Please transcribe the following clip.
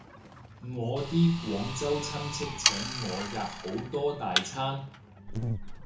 我啲廣州親戚請我吔好多大餐